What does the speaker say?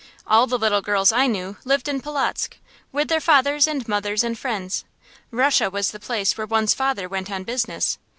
All the little girls I knew lived in Polotzk, with their fathers and mothers and friends. Russia was the place where one's father went on business.